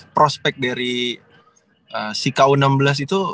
prospek dari si ku enam belas itu